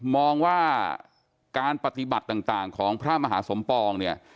มองว่าการปฏิบัติต่างของพระมหาสมปร์